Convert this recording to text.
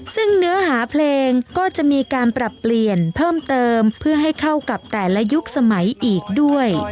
ซึ่งเนื้อหาเพลงก็จะมีการปรับเปลี่ยนเพิ่มเติมเพื่อให้เข้ากับแต่ละยุคสมัยอีกด้วย